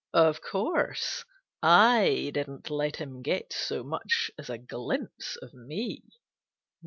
Of course, I didn't let him get so much as a glimpse of me."